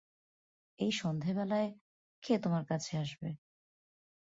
এই সন্ধেবেলায় কে তোমার কাছে আসবে?